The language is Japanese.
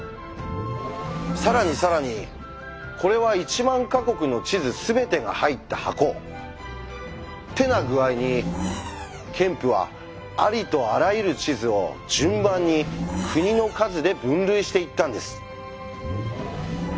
更に更にこれは１万か国の地図全てが入った箱。ってな具合にケンプはありとあらゆる地図を順番に国の数で分類していったんです。